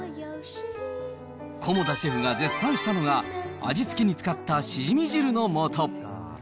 菰田シェフが絶賛したのが味付けに使ったしじみ汁のもと。